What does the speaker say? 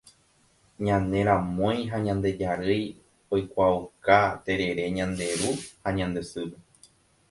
Ñane ramói ha ñande jarýi oikuaauka terere ñande ru ha ñande sýpe